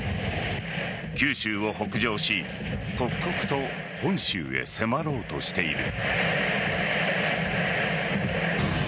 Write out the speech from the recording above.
九州を北上し刻々と本州へ迫ろうとしている。